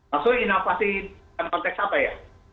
maksudnya inovasi dalam konteks apa ya